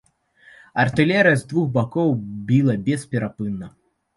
Артылерыя з двух бакоў біла бесперапынна.